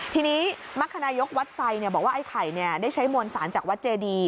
ทีนี้มรรคนายกวัดไซค์บอกว่าไอ้ไข่ได้ใช้มวลสารจากวัดเจดี